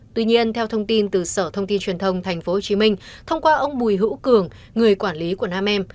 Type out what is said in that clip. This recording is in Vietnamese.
tuy nhiên theo thông tin từ sở thông tin truyền thông tp hcm thông qua ông bùi hữu cường người quản lý của nam em